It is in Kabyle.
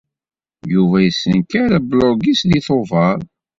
Yuba yessenker ablug-is deg Tubeṛ.